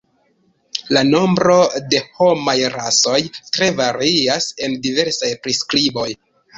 La nombro de homaj rasoj tre varias en diversaj priskriboj.